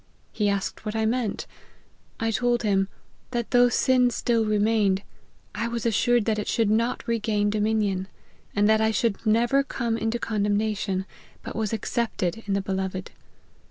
He asked what I meant? I told him, ' that though sin still re mained, I was assured that it should not regain dominion ; and that I should never come into con demnation, but was accepted in the Beloved.'